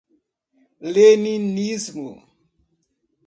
leninismo